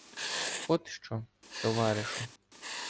— От що, товаришу.